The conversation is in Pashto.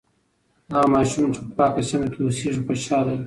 هغه ماشوم چې په پاکه سیمه کې اوسیږي، خوشاله وي.